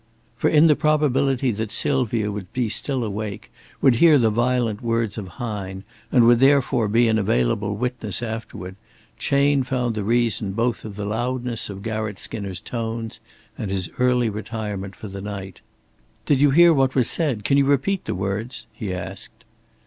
For in the probability that Sylvia would be still awake, would hear the violent words of Hine, and would therefore be an available witness afterward, Chayne found the reason both of the loudness of Garratt Skinner's tones and his early retirement for the night. "Did you hear what was said? Can you repeat the words?" he asked.